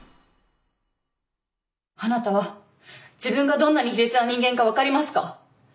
あなたは自分がどんなに卑劣な人間か分かりますか？